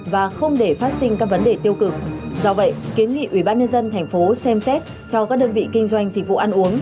và không để phát sinh các vấn đề tiêu cực do vậy kiến nghị ubnd tp xem xét cho các đơn vị kinh doanh dịch vụ ăn uống